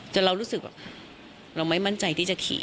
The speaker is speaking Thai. เรารู้สึกแบบเราไม่มั่นใจที่จะขี่